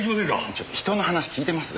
ちょっと人の話聞いてます？